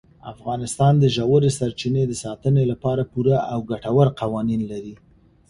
افغانستان د ژورې سرچینې د ساتنې لپاره پوره او ګټور قوانین لري.